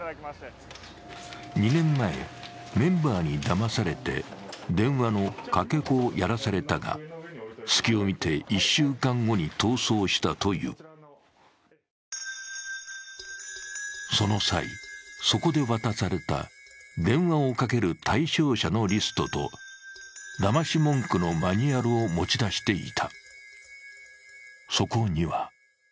２年前、メンバーにだまされて電話のかけ子をやらされたが、隙を見て１週間後に逃走したというその際、そこで渡された電話をかける対象者のリストとだまし文句のマニュアルを持ち出していた。